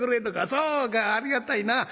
そうかありがたいな。